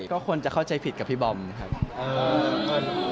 ก็ควรจะเข้าใจผิดกับพี่บอมครับ